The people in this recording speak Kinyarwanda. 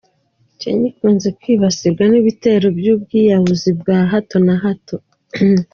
Kenya ikunze kwibasirwa n’ibitero by’ubwiyahuzi bwa hato na hato.